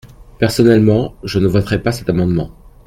Personnellement, je ne voterai pas cet amendements.